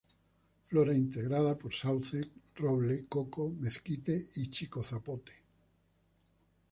Flora: integrada por sauce, roble, coco, mezquite y chicozapote.